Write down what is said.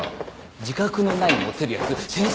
自覚のないモテるやつ先生